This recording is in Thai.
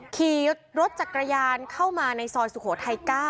ขี่รถจักรยานเข้ามาในซอยสุโขทัย๙